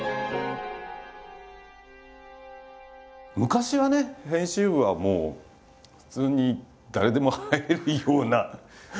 昔はね編集部はもう普通に誰でも入れるような。